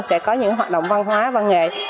sẽ có những hoạt động văn hóa văn nghệ